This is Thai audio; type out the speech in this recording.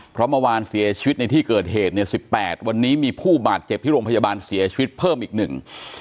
เพราะเมื่อวานเสียชีวิตในที่เกิดเหตุเนี่ยสิบแปดวันนี้มีผู้บาดเจ็บที่โรงพยาบาลเสียชีวิตเพิ่มอีกหนึ่ง